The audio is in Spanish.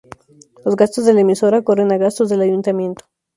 Los gastos de la emisora corren a gastos del ayuntamiento.